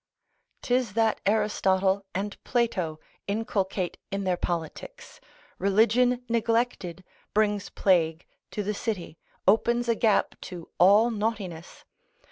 'Tis that Aristotle and Plato inculcate in their politics, Religion neglected, brings plague to the city, opens a gap to all naughtiness.